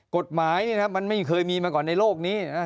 กฎหมายเนี่ยนะครับมันไม่เคยมีมาก่อนในโลกนี้